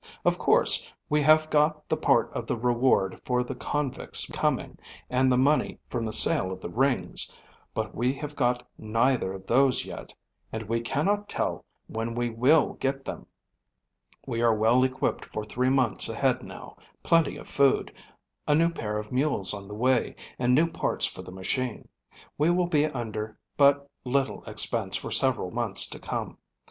Of course, we have got the part of the reward for the convicts coming and the money from the sale of the rings, but we have got neither of those yet and we cannot tell when we will get them. We are well equipped for three months ahead now, plenty of food, a new pair of mules on the way, and new parts for the machine. We will be under but little expense for several months to come.